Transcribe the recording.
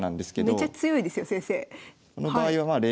めちゃ強いですよ先生。